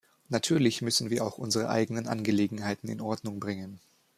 Natürlich müssen wir auch unsere eigenen Angelegenheiten in Ordnung bringen.